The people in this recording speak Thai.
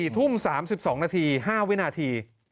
๔ทุ่ม๓๒นาที๕วินาที